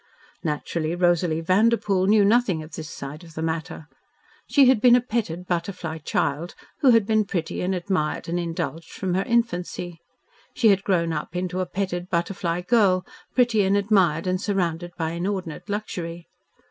Naturally Rosalie Vanderpoel knew nothing of this side of the matter. She had been a petted, butterfly child, who had been pretty and admired and indulged from her infancy; she had grown up into a petted, butterfly girl, pretty and admired and surrounded by inordinate luxury.